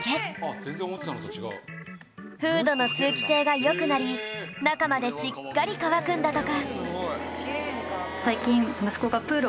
フードの通気性が良くなり中までしっかり乾くんだとか